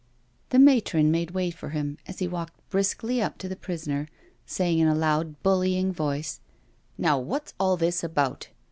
The matron made way for him as he walked briskly up to the prisoner, ;iaying in a loud bullying voice :" Now, what's all this about?